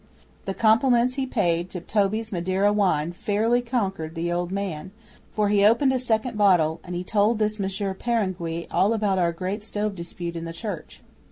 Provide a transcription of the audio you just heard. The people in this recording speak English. The compliments he paid to Toby's Madeira wine fairly conquered the old man, for he opened a second bottle and he told this Monsieur Peringuey all about our great stove dispute in the church.